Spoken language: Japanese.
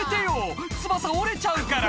翼折れちゃうから！